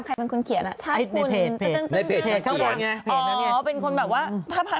ใครเป็นคนเขียนในเพจเข้าทางไงอ๋อเป็นคนแบบว่า